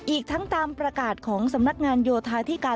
อีกทั้งตามประกาศของสำนักงานโยธาธิการ